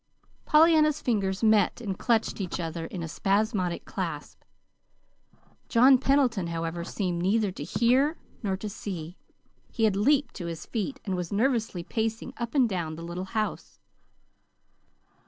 Pollyanna's fingers met and clutched each other in a spasmodic clasp. John Pendleton, however, seemed neither to hear nor see. He had leaped to his feet, and was nervously pacing up and down the little house.